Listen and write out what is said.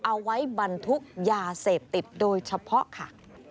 เอาไว้บรรทุกยาเสพติดโดยเฉพาะค่ะ